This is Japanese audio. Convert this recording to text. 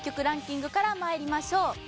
ランキングからまいりましょう。